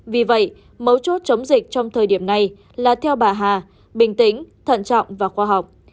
vì vậy mấu chốt chống dịch trong thời điểm này là theo bà hà bình tĩnh thận trọng và khoa học